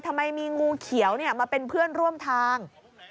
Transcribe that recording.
ทำไมมีงูเขียวมาเป็นเพื่อนร่วมทาง